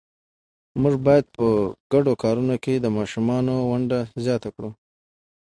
موږ باید په ګډو کارونو کې د ماشومانو ونډه زیات کړو